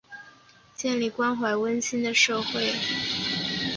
建立关怀温馨的社会